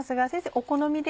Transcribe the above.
お好みで？